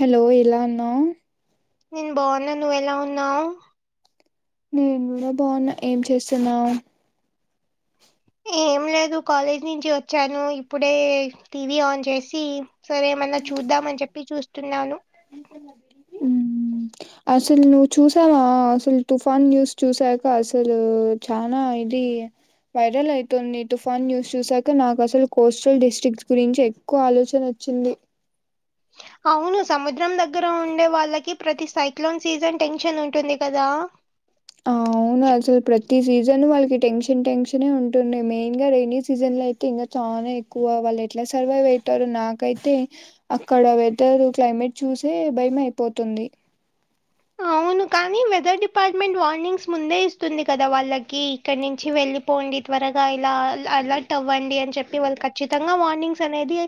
Hello ఎలా ఉన్నావ్ నేను బాగున్నా నువ్వు ఎలా ఉన్నావు నేను కూడా బాగున్నా ఏం చేస్తున్నావు ఏం లేదు కాలేజ్ నుంచి వచ్చాను ఇప్పుడే టీవీ ఆన్ చేసి సరేమన్నా చూద్దామని చెప్పి చూస్తున్నాను అసలు నువ్వు చూసావా అసలు తుఫాన్ న్యూస్ చూసాక అసలు చానా ఇది వైరల్ అయితుంది తుఫాన్ న్యూస్ చూసాక నాకు అసలు కోస్టల్ డిస్ట్రిక్ట్స్ గురించి ఏ ఎక్కువ ఆలోచన వచ్చింది అవును సముద్రం దగ్గర ఉండే వాళ్ళకి ప్రతి సైక్లోన్ సీజన్ టెన్షన్ ఉంటుంది కదా! అవును అసలు ప్రతి సీజన్ వాళ్ళకి టెన్షన్ టెన్షనే ఉంటుంది మెయిన్ గా రేని సీజన్ లో అయి ఇంకా చాలా ఎక్కువ వాళ్ళు ఎట్లా సర్వైవ్ అవుతారు నాకైతే అక్కడ వెదర్ క్లైమేట్ చూసే భయం అయిపోతుంది అవును కానీ వెదర్ డిపార్ట్మెంట్ వార్నింగ్స్ ముందే ఇస్తుంది కదా వాళ్ళకి ఇక్కడ నుంచి వెళ్ళి పోండి త్వరగా ఇలా అలర్ట్ అవ్వండి అని చెప్పి వాళ్ళు ఖచ్చితంగా వార్నింగ్స్ అనేది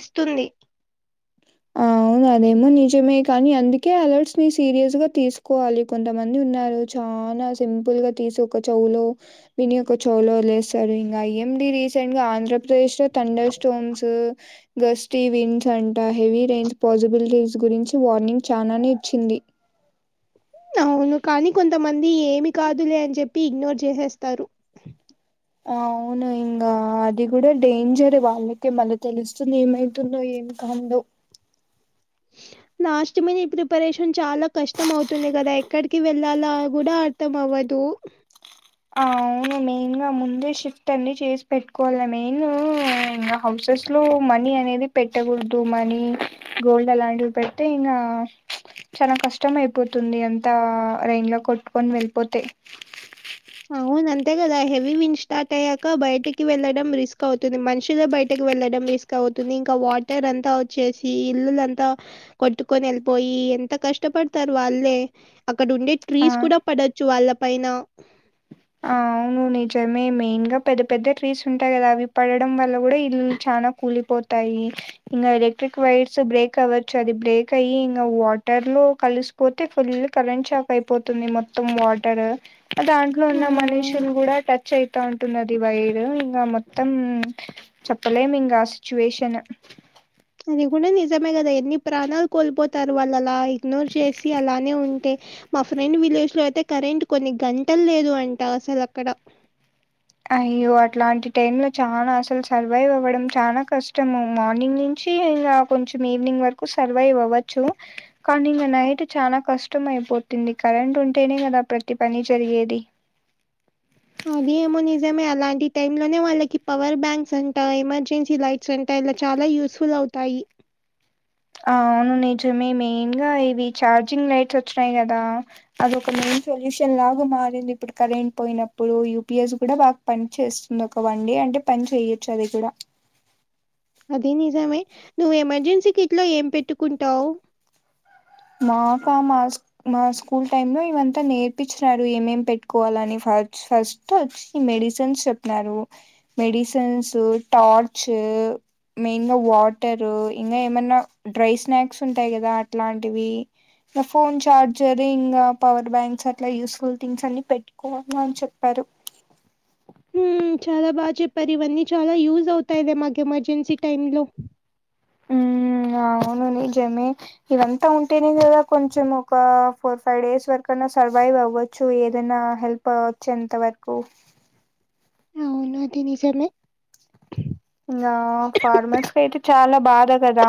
ఇస్తుంది అవును అదేమో నిజమే కానీ అందుకే అలర్ట్స్ ని సీరియస్ గా తీసుకోవాలి కొంతమంది ఉన్నారు. చానా సింపుల్ గా తీసి ఒక చౌలో విని ఒక చోలో లేస్తారు ఇంకా ఎండి రీసెంట్ గా ఆంధ్ర ప్రదేశ్ లో థండర్ స్టోన్స్ గస్తి విండ్స్ అంటా హెవీ రేంజ్ పాజిబిలిటీస్ గురించి వార్నింగ్ చానానే ఇచ్చింది అవును కానీ కొంతమంది ఏమి కాదులే అని చెప్పి ఇగ్నోర్ చేసేస్తారు ఆ అవును ఇంగా అది కూడా డేంజరే వాళ్ళకే మళ్ళీ తెలుస్తుంది ఏమైతుందో ఏమి కందు లాస్ట్ మీది ఇప్ ప్రిపరేషన్ చాలా కష్టం అవుతుంది కదా ఎక్కడికి వెళ్ళాలా కూడా అర్థం అవ్వదు. ఆ అవును మెయిన్ గా ముందే షిఫ్ట్ అన్ని చేసి పెట్టుకోవాల మెయిన్ ఇంగా హౌసెస్ లో మనీ అనేది పెట్టకూడదు మనీ గోల్డ్ అలాంటివి పెడితే ఇంగా చాలా కష్టం అయిపోతుంది అంతా రైన్ లో కొట్టుకొని వెళ్ళిపోతే అవును అంతే కదా హెవీ విన్ స్టార్ట్ అయ్యాక బయటకి వెళ్లడం రిస్క్ అవుతుంది మనుషులే బయటకి వెళ్లడం రిస్ అవుతుంది ఇంకా వాటర్ అంతా వచ్చేసి ఇల్లులంతా కొట్టుకొని వెళ్ళిపోయి ఎంత కష్టపడతారు వాళ్ళే అక్కడ ఉండే ట్రీస్ ఆ కూడా పడచ్చు వాళ్ళ పైన ఆ నిజమే మెయిన్ గా పెద్ద పెద్ద ట్రీస్ ఉంటాయి కదా అవి పడడం వల్ల కూడా ఇల్లులు చాలా కూలిపోత తైశ్ ఇంగా ఎలక్ట్రిక్ వైర్స్ బ్రేక్ అవ్వచ్చు అది బ్రేక్ అయ్యి ఇంగా వాటర్ లో కలిసు పోతే ఫుల్ కరెంట్ చాక్ అయిపోతుంది మొత్తం వాటర్ అదా లో ఉన్న మ్మ్. మనుషులు కూడా టచ్ అయితా ఉంటున్నరు ఇవైడు ఇంగా మొత్తం చెప్పలేము ఇంగా ఆ సిచ్యువేషన్ అది కూడా నిజమే కదా ఎన్ని ప్రాణాలు కోల్పోతారు వాళ్ళు అలా ఇగ్నోర్ చేసి అలానే ఉంటే మా ఫ్రెండ్ విలేజ్ లో అయితే కరెంట్ కొన్ని గంటలు లేదు అంట అసలు అక్కడ అయ్యో అట్లాంటి టైమ్ లో చానా అసలు సర్వైవ్ అవ్వడం చాలా కష్టము మార్నింగ్ నుంచి ఇంగా కొంచెం ఈవినింగ్ వరకు సర్వైవ్ అవ్వచ్చు కానీ ఇంగా నైట్ చానా కష్టం అయిపోతుంది కరెంట్ ఉంటేనే కదా ప్రతి పని జరిగేది. అదేమో నిజమే అలాంటి టైమ్ లోనే వాళ్ళకి పవర్ బ్యాంక్స్ అంటా ఎమర్జెన్సీ లై స్ అంటే ఇలా చాలా యూస్ఫుల్ అవుతాయి ఆ అవును నిజమే మెయిన్ గా ఇవి ఛార్జింగ్ లైట్స్ వచ్చినాయి కదా! అది ఒక మెయిన్ సొల్యూషన్ లాగా మారింది ఇప్పుడు కరెంట్ పోయినప్పుడు యూ పి ఎస్ కూడా బా పని చేస్తుంది ఒక వన్ డే అంటే, పని చేయొచ్చు అది కూడా. అదే నిజమే, నువ్ ఎమర్జెన్సీ కిట్ లో ఏం పెట్టుకుంటావ్. మాకా మాస్ మా స్కూల్ టైమ్ లో ఇవ్వంతా నేర్పించ్చారు, ఏమేం పెట్టుకోవాలని ఫస్ ఫస్ట్ ఒచ్ మెడిసన్స్ చెప్పారు. మెడిసేన్స్, టార్చ్ మెయిను వాటారు ఇంగా ఏమన్నా డ్రై స్నాక్స్ ఉంటాయి కదా అట్లాంటివి నా ఫోన్ ఛార్జర్ ఇంగా పవర్ బ్యాంక్స్ అట్లా యూస్ఫుల్ థింగ్స్ అన్ని పెట్ కోమని చెప్పారు హుమ్ చాలా బాగా చెప్పారు, ఇవన్నీ చాలా యూజ్ అవుతాయి ఇది మాకు ఎమర్జెన్సీ టైమ్ లో ఆ అవును నిజమే ఇదంతా ఉంటేనే గదా, కొంచెం ఒక ఫోర్, ఫైవ్ డేస్ వరకన్నా సర్వైవ్ అవ్వచ్చు ఏదన్న ఆ ఒచ్చే అంత వరకు అవును తీనేశారు మీ ఇంగా ఫార్మర్స్ కైతే చాలా బాధ గదా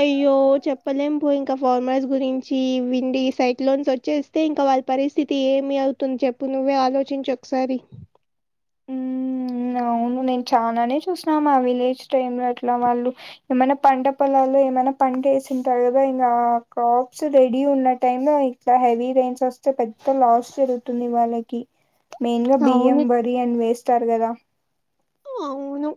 అయ్యో చెప్పలేం పో ఇంకా ఫార్మర్స్ గురించి, విండి సైక్లోన్స్ వచ్చే తే ఇంకా వాళ్ళ పరిస్థితి ఏమి అవుతుంది చెప్పు నువ్వే ఆలోచించు ఒకసారి. ఉమ్ అవును నేను చానానే చూసినా మా విలేజ్ టైమ్ లో అట్లా వాళ్లు ఏమైనా పంట పొలాలు, ఏమైనా పంట వేసుంటార్ గదా, ఇంకా క్రాప్స్ రెడీ ఉన్న టైంలో ఇలా హెవీ రేన్స్ వస్తే పెద్ద లాస్ జరుగుతుంది వాళ్ళకి. మెయిన్ గా బియ్యం, అవును. వరి అని వేస్తారు గదా. అవును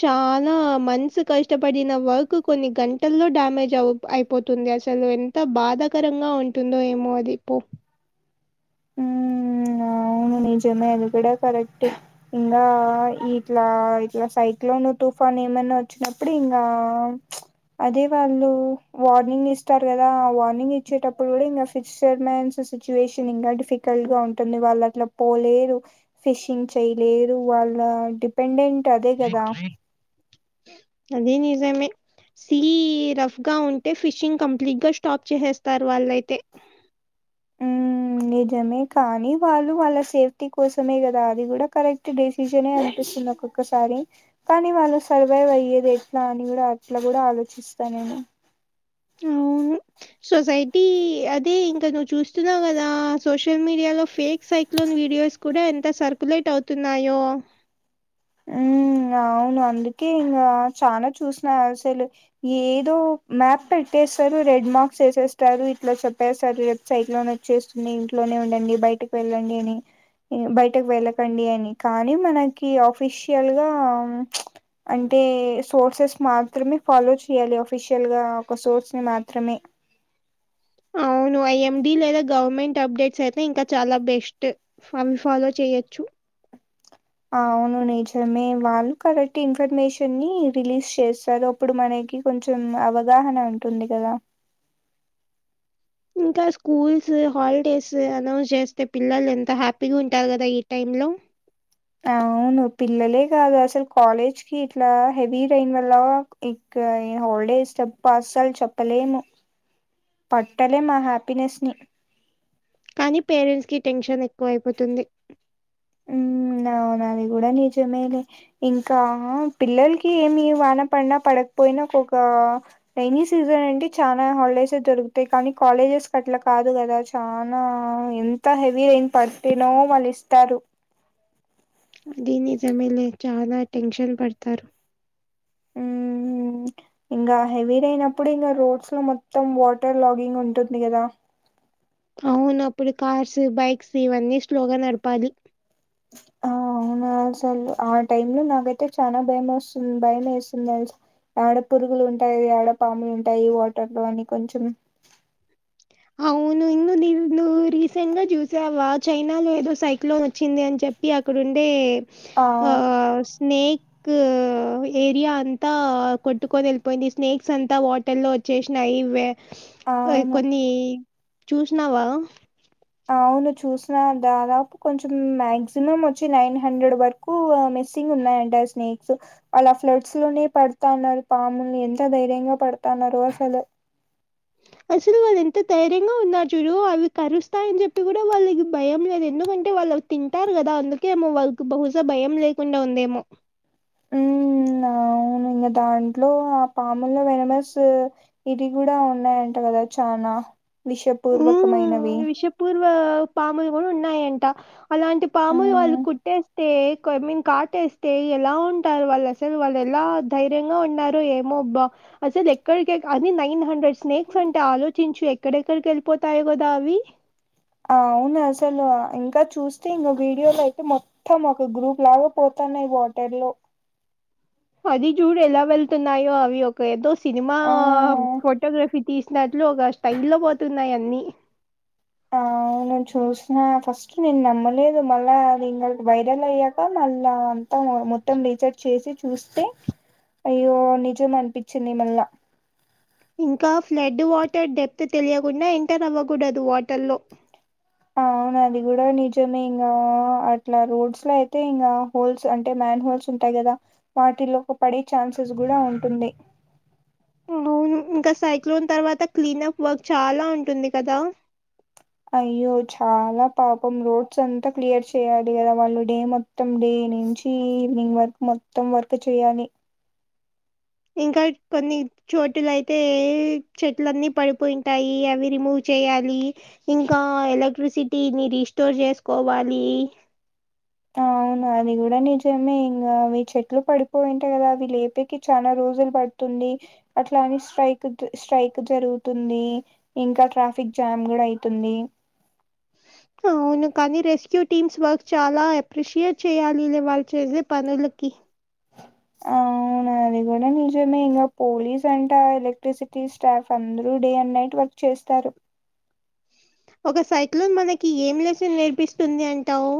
చాలా మనసు కష్టపడిన వర్క్, కొన్ని గంటల్లో డ్యామేజ్ అవ్ అయిపోతుంది అసలు, ఎంత బాధాకరంగా ఉంటుందో ఏమో అది పో. ఉమ్ అవును నిజమే అది గుడా కరెక్ట్ ఇంగా ఇట్లా ఇట్లా సైక్లోన్, తుఫాన్ ఏమైనా ఒచ్చినప్పుడు ఇంగా అదే వాళ్ళు వార్నింగ్ ఇస్తారు గదా, ఆ వార్నింగ్ ఇచ్చేటప్పుడు కూడా ఇంగా ఫిక్స్డ్ మెంట్స్ సిచ్యువేషన్ ఇంగా డిఫికల్ట్ గా ఉంటుంది వాళ్ళక్ అప్ పోలేరు, ఫిషింగ్ చేయలేరు వాళ్ళ డిపెండెంట్ అదే కదా అది నిజమే సీ రఫ్గా ఉంటే ఫిషింగ్ కంప్లీట్ గా స్టాప్ చేసేస్తారు వాళ్ళైతే ఉమ్ నిజమే కానీ వాళ్ళు, వాళ్ళ సేఫ్టీ కోసమే కదా అది కూడా కరెక్ట్ డెసిషనే అనిపిస్తుంది అప్పుడ్ ఒకసారి కానీ వాళ్లు సర్వైవ్ అయ్యేది ఎట్లా అని గుడా అట్లా గుడా ఆలోచిస్తా నేను అవును సొసైటీ అది ఇంకా నువ్వు చూస్తున్నావు కదా, సోషల్ మీడియా లో ఫేక్ సైక్లోన్ వీడియోస్ కూడా ఎంత సర్క్యులేట్ అవుతున్నాయో ఉమ్ అవును అందుకే ఇంగా, చానా చూసిన అసలు ఏదో మ్యాప్ పెట్టేస్తారు, రెడ్ మార్క్స్ ఏసేస్తారు, ఇట్లా చెప్పేస్తారు సైక్లోన్ వచ్చేస్తుంది, ఇంట్లోనే ఉండండి, బయటకి వెళ్ళండి అని. బయటకి వెళ్ళకండి అని, కానీ మనకి ఆఫిషియల్ గా అంటే సోర్సెస్ మాత్రమే ఫాలో చేయాలి అఫిషియల్ గా, ఒక సోర్స్ ని మాత్రమే అవును ఐ ఎం డి లేదా గవర్నమెంట్ అప్డేట్స్ అయితే ఇంకా చాలా బెస్ట్. ఫన్ ఫాలో చేయచ్చు అవును నిజమే వాళ్లు కరెక్ట్ ఇన్ఫర్మేషన్ ని రిలీజ్ చేసారొ ఇప్పుడు మనకి కొంచెం అవగాహన ఉంటుంది గదా ఇంకా స్కూల్సు హాల్డేసు అనౌన్ జేస్తే పిల్లలు ఎంత హ్యాపీగు ఉంటారు గదా ఈ టైం లో అవును పిల్లలే గాదు అసల్ కాలేజ్ కి ఇట్లా హెవీ రెయిన్ వల్లా ఇక్కూ ఇగ హాల్డేస్ తప్పా అస్సల్ చొప్పలేము పట్టలేమ్ ఆ హ్యాపీనెస్ ని కానీ పేరెంట్స్ కి టెన్షన్ ఎక్కువైపోతుంది ఉండా అవున గూడా నిజమే లే ఇంకా పిల్లల్కి ఏమి వాన పన్నా పడక్పోయినా ఒకొకా రెైన సీజన్ అంటే చానా హాల్డేసే జరుగుతాయ్ కానీ కాలేజెస్ కట్ల కాదు గదా తానా ఎంత హెవీ రెయిన్ పట్టినో వాళ్ళిస్తారు అది నిజమేలే చాల టెన్షన్ పడుతారు ఇంగా హెవీ రెయిననప్పుడు ఇంగ రోడ్స్ లో మొత్తం వాటర్ లాగింగ్ ఉంటుంది గదా అవును అప్పుడు కార్సు బైక్సు ఇవన్నీ స్లోగా నడపాలి ఆ అవునా అసలు ఆ టైమ్ లో నాకైతే చానా భయం వొస్తుంది భయమేస్తుంద్ దెల్ ఆడ పురుగులు ఉంటాయొ యాడ పాములు ఉంటాయి వాటర్ లో అని కొంచం హవును ఇందు [unintelligible] రీసెంట్ గా జూసావా చైనాలో ఏదో సైక్లోన్ వొచ్చింది అన్ జెప్పి అక్కడుండేమ్ ఆ ఓ స్నేక్కూ ఏరియా అంతా కొట్టుకొని ఎళ్పోయింది స్నేక్సంతా వాటర్ లో వొచ్చేస్నాయి వే వోయ్ అవును కొన్నీ చూస్నావ అవును చూస్న దాదాపు కొంచం మ్యాగ్జిమం వొచ్చి నైన్ హండ్రెడ్ వర్ కూ మెస్సింగ్ ఉన్నాయంట స్నేక్సు అలా ఫ్లెడ్స్ లోనే పడతావున్నారు పాముల్ని ఎంత ధైర్యంగా పడతాన్నారో అసలు అసలు వాళ్ళు ఎంత ధైర్యంగా ఉన్నార్ జూడు అవి కరుస్తాయ్ అన్ జొప్పి గుడ వాళ్ళకి భయం లేద్ ఎందుకంటే వాళ్ళొ తింటారు గదా అందుకేమో వాళ్కు బహుశా భయం లేకుండా ఉందేమో ఉమ్ అవును ఇంగ దాంట్లో ఆ పాముల్లో వైనమెస్సూ ఇవి గూడా ఉన్నాయంట గదా చనా విషపూర్వకమైనవి పూర్వా పాముల్ గుడ ఉన్నాయంట అలాంటి పాముల్ వాళ్ళు ఉమ్ కుట్టేస్ తే కొయ్ మీన్ కాటేస్తే ఎలా ఉంటారు వాళ్ళసలు వాళ్దెలా ధైర్యంగా ఉన్నారు ఏమో బ్బ అసలు ఎక్కడికెక్ అని నైన్ హండ్రెడ్ స్నేక్సంట ఆలోచించు ఎక్కడ ఎక్కడకి ఎళ్ళిపోతాయొ గదా అవ్వి అవునసలు ఇంకా చూస్తే ఇంగ వీడియోలో అయితే మొ త్తం ఒక గ్రూప్ లాగా పోతన్నాయ్ వాటర్ లో అది జూడు ఎలా వెళ్తున్నాయో అవి ఒక ఏదో సినిమా ఆ ఫోటోగ్రఫీ తీస్ నట్లు ఒగ స్టైల్ ల్లో బోతున్నాయన్నీ నేన్ చూష్నా ఫస్టు నేన్ నమ్మలేదు మళ్ళా అది ఇంగ వైరల్ అయ్యాక మళ్ళా అంతన మొ మొత్తం రీచర్ట్ చేసి చూస్తే అయ్యో నిజం అనిపిచ్చింది మళ్ళా ఇంకా ఫ్లడ్డు వాటర్ డెప్తు తెలియకుండా ఎంటర్ అవ్వకూడదు వాటర్ లో అవును అది గుడ నిజమే ఇంగా అట్లా రోడ్స్ లో అయితే ఇంగ హోల్స్ అంటే మ్యాన్ హోల్స్ ఉంటాయి కదా వాటిలోకి పడే ఛాన్సెస్ కూడా ఉంటుంది అవును ఇంకా సైక్లోన్ తర్వాత క్లీన్ అప్ వర్క్ చాలా ఉంటుంది కదా అయ్యో చాలా పాపం రోడ్స్ అంతా క్లియర్ చేయాలి కదా వాళ్ళు డే మొ త్తం డే నుంచి ఈవినింగ్ వర్క్ మొత్తం వర్క్ చేయాలి ఇంకా కొన్ని చోటుల అయితే చెట్లన్నీ పడిపోయి వుంటాయి అవి రిమూవ్ చేయాలి ఇంకా ఎలక్ట్రిసిటీని రీస్టోర్ చేసుకోవాలి అవును అది కూడా నిజమే ఇంకా అవి చెట్లు పడిపోయింటయి కదా అవి లేపికి చాలా రోజులు పడి తుంది అట్లాని స్ట్రైక్ స్ట్రైక్ జరుగుతుంది ఇంకా ట్రాఫిక్ జామ్ కూడా అయితుంది అ అవును కానీ రెస్క్యూ టీమ్స్ వర్క్ చాలా అప్రిషియేట్ చేయాలి వాళ్ళు చేసే పనులకి మేడ మీ మే ఇంకా పోలీస్ అంట ఎలక్ట్రిసిటీ స్టాఫ్ అందరు డే అండ్ నైట్ వర్క్ చేస్తారు ఒక సైక్లన్ మనకి ఏం లెస్న్ నేర్పిస్తుంది అంటావు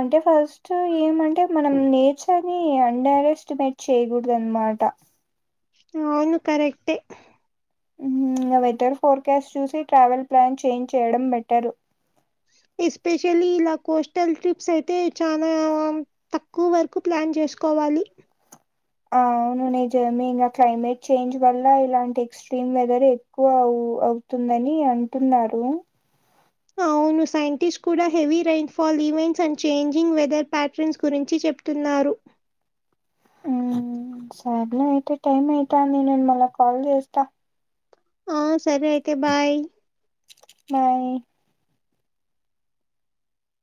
అంటే ఫస్ట్ ఏమంటే మనం నేచర్ నీ అండర్ ఎస్టిమేట్ చేయ్యకూడదు అన్నమాట అవును కరెక్ట్ ఏ ఉహుమ్ వెదర్ ఫోర్కాస్ట్ చూసి ట్రావెల్ ప్లాన్ చేంజ్ చేయడం బెటర్ ఎస్పెషలీ ఇలా కోస్టల్ ట్రిప్స్ అయితే చనా తక్కువ వర్క్ ప్లాన్ చేసుకోవాలి అవును నిజమే ఇంకా క్లైమేట్ చేంజ్ వల్ల ఇలాంటి ఎక్ స్ట్రీమ్ వెదర్ ఎక్కువ అవుతుందని అంటున్నారు అవును సైంటిస్ట్ కూడా heavy rainfall events and changing weather patterns గురించి చెప్తున్నారు ఉమ్ సరే లే అయితే టైమ్ అయితాందినేను మళ్ళ కాల్ చేస్తా ఆ సరే అయితే బాయ్ బాయ్